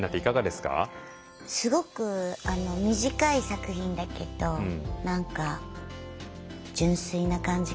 すごく短い作品だけど何か純粋な感じがしました。